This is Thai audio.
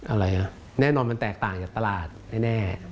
อะไรอ่ะแน่นอนมันแตกต่างจากตลาดแน่